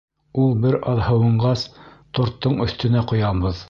Ул бер аҙ һыуынғас, торттың өҫтөнә ҡоябыҙ.